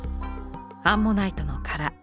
アンモナイトの殻。